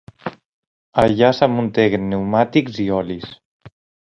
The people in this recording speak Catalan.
Allà s'amuntegaven pneumàtics i olis.